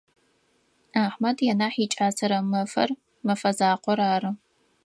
Ахьмэд янахь икӏасэрэ мэфэр мэфэзакъор ары.